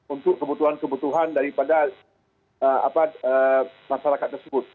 untuk kebutuhan kebutuhan daripada masyarakat tersebut